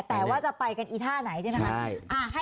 แต่ว่าจะไปกันอีท่าไหนใช่ไหมคะ